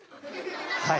はい。